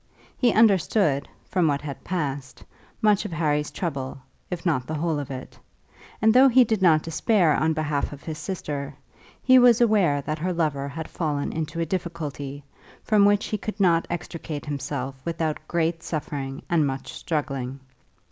He understood, from what had passed, much of Harry's trouble, if not the whole of it; and though he did not despair on behalf of his sister, he was aware that her lover had fallen into a difficulty, from which he could not extricate himself without great suffering and much struggling.